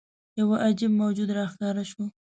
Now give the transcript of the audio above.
یوه عجيب موجود راښکاره شو.